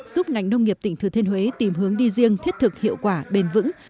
giúp ngành nông nghiệp tỉnh thừa thiên huế tìm hướng đi riêng thiết thực hiệu quả bền vững